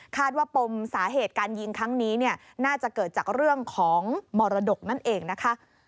ว่าปมสาเหตุการยิงครั้งนี้น่าจะเกิดจากเรื่องของมรดกนั่นเองนะคะ